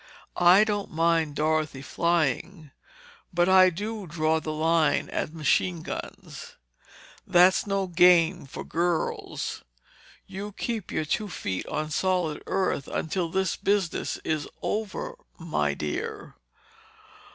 "I don't mind Dorothy flying, but I do draw the line at machine guns. That's no game for girls. You keep your two feet on solid earth until this business is over, my dear."